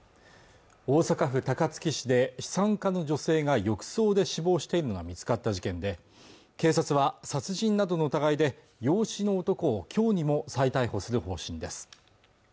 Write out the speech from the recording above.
大阪府高槻市で資産家の女性が浴槽で死亡しているのが見つかった事件で警察は殺人などの疑いで養子の男をきょうにも再逮捕する方針です